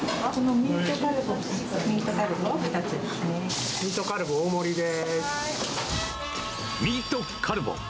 ミートカルボ大盛りです。